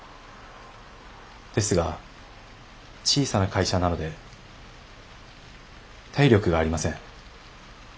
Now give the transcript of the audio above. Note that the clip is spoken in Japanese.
ですが小さな会社なので体力がありません。